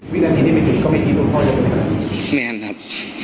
วินาทีนี้ไม่ถึงก็ไม่ทีบุคคลนะครับไม่งานครับ